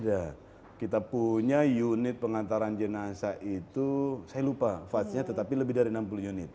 ya kita punya unit pengantaran jenazah itu saya lupa fatnya tetapi lebih dari enam puluh unit